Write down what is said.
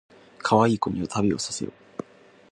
かわいい子には旅をさせよ